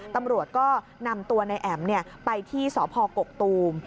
ตำรวจก็นำตัวนายแอ๋มไปที่สพกกตูม